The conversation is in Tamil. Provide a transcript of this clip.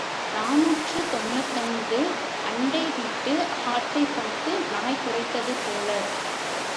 நாநூற்று தொன்னூற்றைந்து அண்டை வீட்டு ஆட்டைப் பார்த்து நாய் குரைத்தது போல.